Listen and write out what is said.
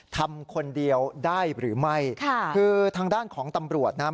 ทำคนเดียวได้หรือไม่ค่ะคือทางด้านของตำรวจนะครับ